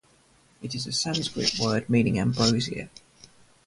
It is Sanskrit word meaning ambrosia.